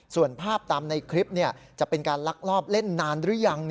ส่วนภาพตามในคลิปจะเป็นการลักลอบเล่นนานหรือยัง